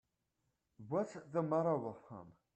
What's the matter with him.